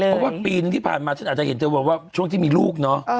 เพราะว่าปีนึงที่ผ่านมาฉันอาจจะเห็นเธอบอกว่าช่วงที่มีลูกเนอะ